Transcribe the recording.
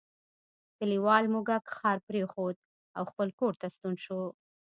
کلیوال موږک ښار پریښود او خپل کور ته ستون شو.